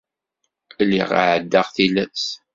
Lliɣ εeddaɣ tilas.